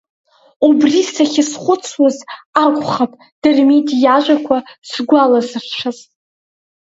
Убри сахьизхәыцуаз акәхап Дырмит иажәақәа сгәалазыршәаз.